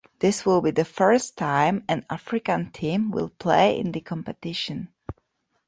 This will be the first time an African team will play in the competition.